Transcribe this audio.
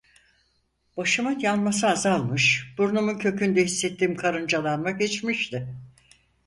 Başımın yanması azalmış, burnumun kökünde hissettiğim karıncalanma geçmişti.